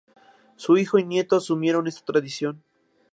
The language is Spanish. Su hijo y nieto asumieron esta tradición.